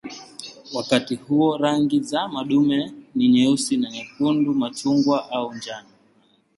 Wakati huo rangi za madume ni nyeusi na nyekundu, machungwa au njano.